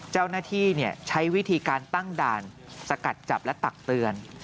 เจ้าหน้าที่ใช้วิธีการตั้งด่านสกัดจับและตักเตือน